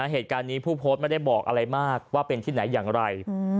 เหตุการณ์นี้ผู้โพสต์ไม่ได้บอกอะไรมากว่าเป็นที่ไหนอย่างไร